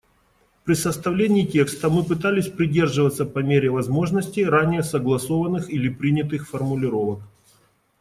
При составлении текста мы пытались придерживаться по мере возможности ранее согласованных или принятых формулировок.